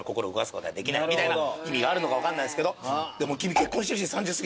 みたいな意味があるのか分かんないですけど。